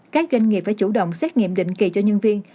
các doanh nghiệp phải chủ động xét nghiệm định kỳ cho nhân viên